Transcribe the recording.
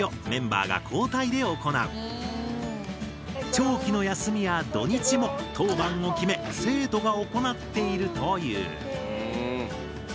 長期の休みや土日も当番を決め生徒が行っているという。